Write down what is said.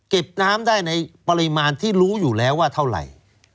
น้ำได้ในปริมาณที่รู้อยู่แล้วว่าเท่าไหร่